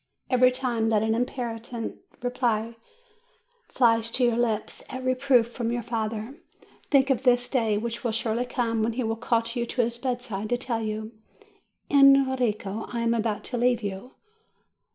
Every time that an impertinent reply flies to your lips at a reproof from your father, think of that day which will surely come when he will call you to his bedside to tell you, "Enrico, I am about to leave you."